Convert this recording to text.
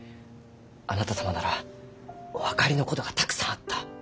あなた様ならお分かりのことがたくさんあった。